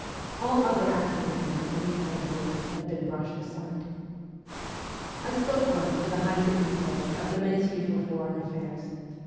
All other active men of the reform period had been brushed aside. I spoke once with a high dignitary of the Ministry for foreign affairs.